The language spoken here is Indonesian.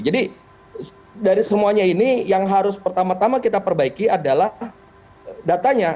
jadi dari semuanya ini yang harus pertama tama kita perbaiki adalah datanya